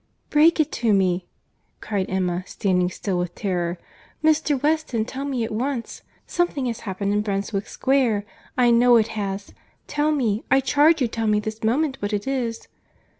"Break it to me," cried Emma, standing still with terror.—"Good God!—Mr. Weston, tell me at once.—Something has happened in Brunswick Square. I know it has. Tell me, I charge you tell me this moment what it is."